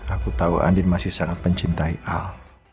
aku tahu andin masih sangat mencintai al